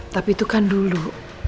tapi itu kan dulu